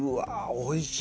おいしい。